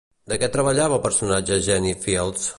De què treballava el personatge Jenny Fields?